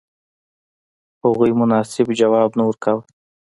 هغوی مناسب ځواب نه ورکاوه.